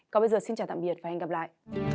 còn bây giờ xin chào tạm biệt và hẹn gặp lại